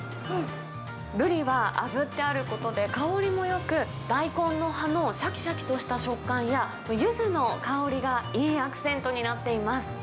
ブリはあぶってあることで香りもよく、大根の葉のしゃきしゃきとした食感や、ゆずの香りが、いいアクセントになっています。